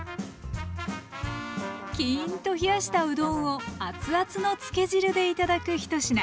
キーンと冷やしたうどんを熱々のつけ汁で頂く１品。